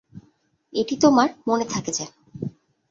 এটি তোমার মনে থাকে যেন।